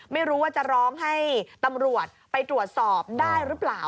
ไม่รู้ว่าจะร้องให้ตำรวจไปตรวจสอบได้หรือเปล่า